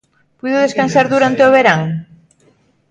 Puido descansar durante o verán?